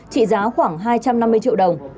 trị giá khoảng hai trăm năm mươi triệu đồng